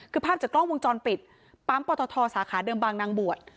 คือภาพจากกล้องวงจรปิดปั๊มปตทสาขาเดิมบางนางบวช